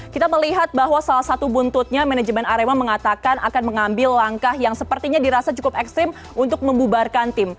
kita melihat bahwa salah satu buntutnya manajemen arema mengatakan akan mengambil langkah yang sepertinya dirasa cukup ekstrim untuk membubarkan tim